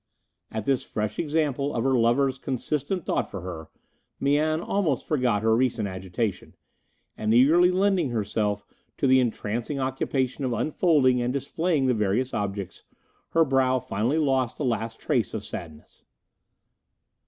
At this fresh example of her lover's consistent thought for her, Mian almost forgot her recent agitation, and eagerly lending herself to the entrancing occupation of unfolding and displaying the various objects, her brow finally lost the last trace of sadness.